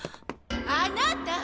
あなた！